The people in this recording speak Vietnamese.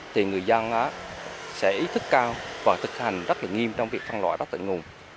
thì người dân sẽ ý thức cao và thực hành rất là nghiêm trong việc phân loại rác tại nguồn